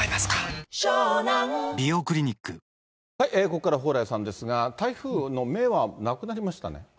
ここからは蓬莱さんですが、台風の目はなくなりましたね。